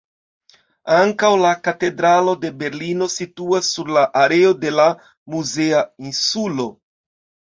Ankaŭ la Katedralo de Berlino situas sur la areo de la muzea insulo.